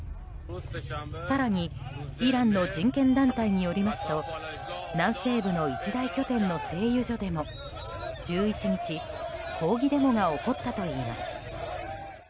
更にイランの人権団体によりますと南西部の一大拠点の製油所でも１１日、抗議デモが起こったといいます。